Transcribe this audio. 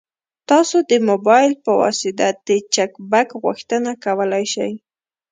تاسو د موبایل په واسطه د چک بک غوښتنه کولی شئ.